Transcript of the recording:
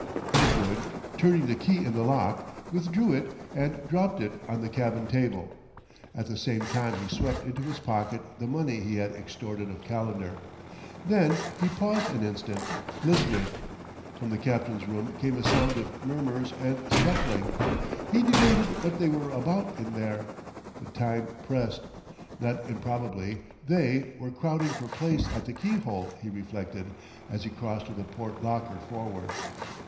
Kirkwood, turning the key in the lock, withdrew it and dropped it on the cabin table; at the same time he swept into his pocket the money he had extorted of Calendar. Then he paused an instant, listening; from the captain's room came a sound of murmurs and scuffling. He debated what they were about in there but time pressed. Not improbably they, were crowding for place at the keyhole, he reflected, as he crossed to the port locker forward.